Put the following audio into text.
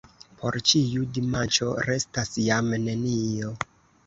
Por ĉiu dimanĉo restas jam nenio.